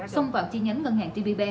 xong vào chi nhánh ngân hàng tpb